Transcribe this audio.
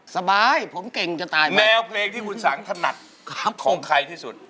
สบายผมเก่งจะตายไป